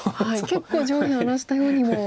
結構上辺荒らしたようにも。